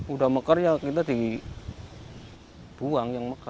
udah mekar ya kita dibuang yang mekar nggak kepake